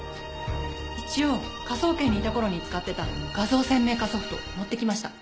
一応科捜研にいた頃に使ってた画像鮮明化ソフトを持ってきました。